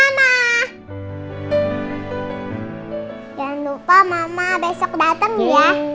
jangan lupa mama besok datang ya